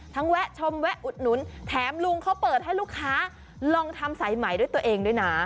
แวะชมแวะอุดหนุนแถมลุงเขาเปิดให้ลูกค้าลองทำสายไหมด้วยตัวเองด้วยนะ